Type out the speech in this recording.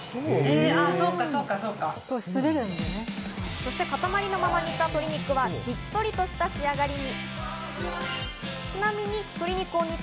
そして塊のまま煮た鶏肉はしっとりとした仕上がりに。